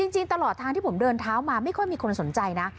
จริงตลอดทางที่ผมเดินเท้ามาไม่ค่อยมีคนสนใจนะ